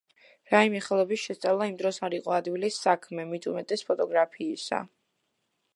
რაიმე ხელობის შესწავლა იმ დროს არ იყო ადვილი საქმე, მით უმეტეს ფოტოგრაფიისა.